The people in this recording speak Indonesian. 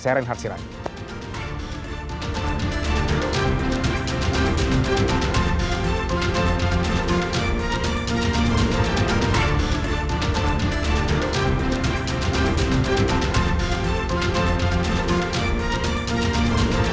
saya ren hatsirani